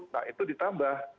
nah itu ditambah